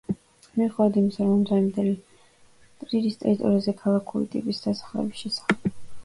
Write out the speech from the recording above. მიუხედავად ამისა, ამდროინდელი ტრირის ტერიტორიაზე ქალაქური ტიპის დასახლების შესახებ საუბარი ნაადრევია.